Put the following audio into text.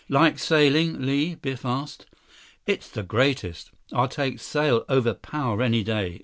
"Like sailing, Li?" Biff asked. "It's the greatest. I'll take sail over power any day."